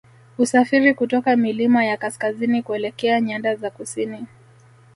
Husafiri kutoka milima ya kaskazini kuelekea nyanda za kusini